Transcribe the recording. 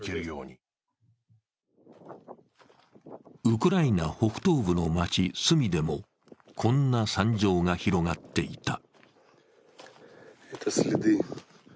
ウクライナ北東部の街スーミでもこんな惨状が広がっていた。